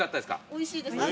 おいしいです。